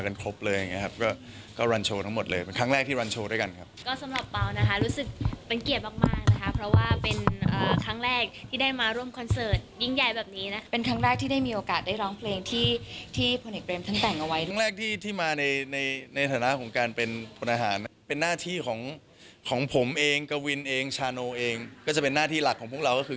การช่วยเหลือมูลละนิธิของผมเองกวินเองชาโนเองก็จะเป็นหน้าที่หลักของพวกเราก็คือ